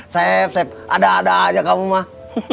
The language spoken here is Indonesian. sepp sepp ada ada aja kamu mah